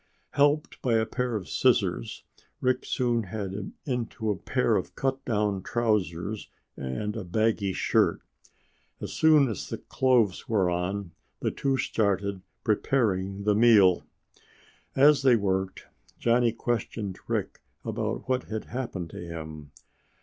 Helped by a pair of scissors, Rick soon had him into a pair of cut down trousers and a baggy shirt. As soon as the clothes were on, the two started preparing the meal. As they worked, Johnny questioned Rick about what had happened to him.